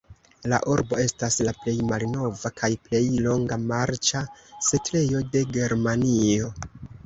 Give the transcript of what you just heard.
La urbo estas la plej malnova kaj plej longa marĉa setlejo de Germanio.